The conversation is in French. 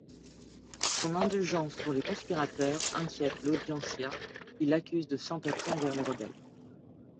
Son indulgence pour les conspirateurs inquiète l'Audiencia, qui l'accuse de sympathie envers les rebelles.